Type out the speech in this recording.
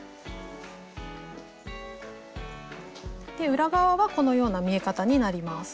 裏側はこのような見え方になります。